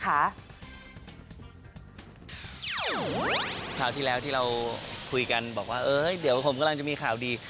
คราวที่แล้วที่เราคุยกันบอกว่าเดี๋ยวผมกำลังจะมีข่าวดี